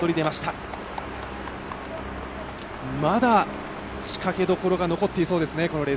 まだ仕掛けどころが残っていそうですね。